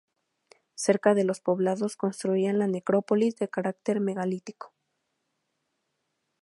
Cerca de los poblados construían la necrópolis, de carácter megalítico.